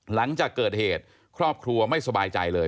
หลังจากเกิดเหตุครอบครัวไม่สบายใจเลย